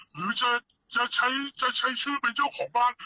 หรือจะใช้ชื่อเป็นเจ้าของบ้าน